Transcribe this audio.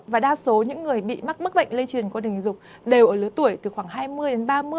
và đa số những người bị mắc mắc bệnh lây truyền qua tình dục đều ở lứa tuổi từ khoảng hai mươi đến ba mươi